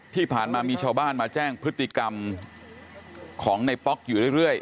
ที่ผ่านมามีชาวบ้านมาแจ้งพฤติกรรมของในป๊อกอยู่เรื่อย